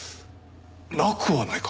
なくはないか。